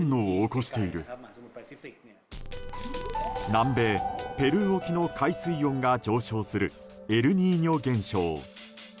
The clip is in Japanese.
南米ペルー沖の海水温が上昇するエルニーニョ現象。